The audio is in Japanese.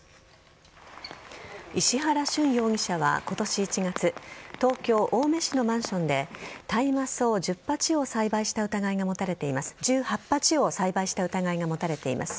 石原峻容疑者は今年１月東京・青梅市のマンションで大麻草を栽培した疑いが持たれ１８鉢を栽培した疑いが持たれています。